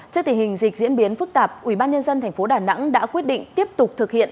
trước tình hình dịch diễn biến phức tạp ubnd tp đà nẵng đã quyết định tiếp tục thực hiện